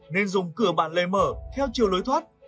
nên dùng cửa bạn lề mở theo chiều lối thoát